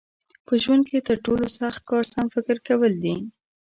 په ژوند کې تر ټولو سخت کار سم فکر کول دي.